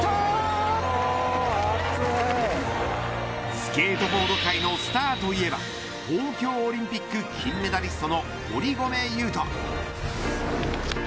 スケートボード界のスターといえば東京オリンピック金メダリストの堀米雄斗。